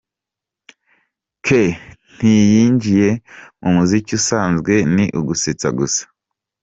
K ntiyinjiye mu muziki usanzwe, ni ugusetsa gusa.